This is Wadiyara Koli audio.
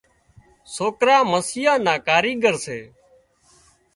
سوڪرا مسيان نا ڪاريڳر سي